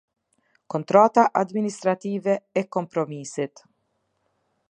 Kontrata administrative e kompromisit.